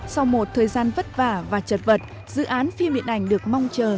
sau một thời gian vất vả và chật vật dự án phim điện ảnh được mong chờ